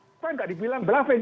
soalnya nggak dibilang belaveng